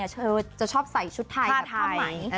เธอจะชอบใส่ชุดไทยผ้าไหม